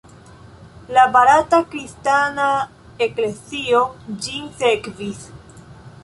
La barata kristana eklezio ĝin sekvis.